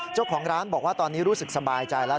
เจ้าของร้านบอกว่าตอนนี้รู้สึกสบายใจแล้ว